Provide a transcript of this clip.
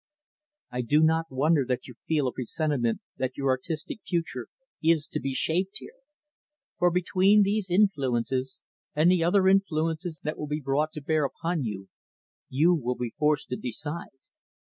I do not wonder that you feel a presentiment that your artistic future is to be shaped here; for between these influences and the other influences that will be brought to bear upon you, you will be forced to decide.